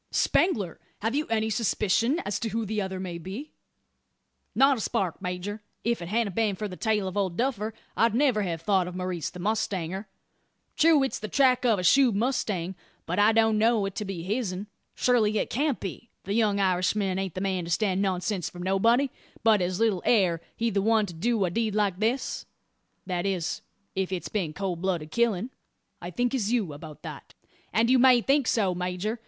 "Spangler! have you any suspicion as to who the other may be?" "Not a spark, major. If't hadn't been for the tale of Old Duffer I'd never have thought of Maurice the mustanger. True, it's the track o' a shod mustang; but I don't know it to be hisn. Surely it can't be? The young Irishman aint the man to stand nonsense from nobody; but as little air he the one to do a deed like this that is, if it's been cold blooded killin'." "I think as you about that." "And you may think so, major.